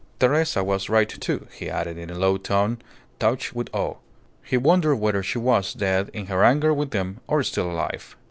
"Teresa was right, too," he added in a low tone touched with awe. He wondered whether she was dead in her anger with him or still alive.